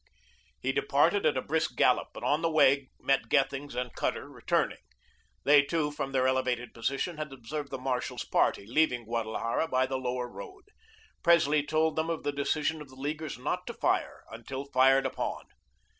He departed at a brisk gallop, but on the way met Gethings and Cutter returning. They, too, from their elevated position, had observed the marshal's party leaving Guadalajara by the Lower Road. Presley told them of the decision of the Leaguers not to fire until fired upon.